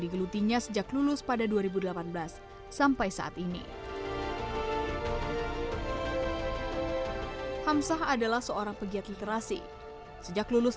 digelutinya sejak lulus pada dua ribu delapan belas sampai saat ini hamsah adalah seorang pegiat literasi sejak lulus